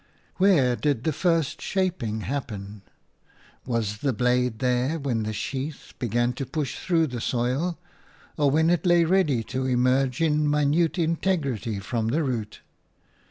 Where did the first shaping happen? Was the blade there when the sheath began to push through the soil, or when it lay ready to emerge in minute integrity from the root?